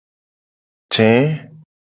Je.